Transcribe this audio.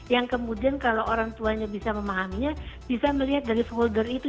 yang kemudian kalau orang tuanya bisa memahaminya bisa melihat dari folder itu